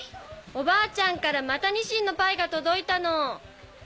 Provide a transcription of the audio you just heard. ・おばあちゃんからまたニシンのパイが届いたの。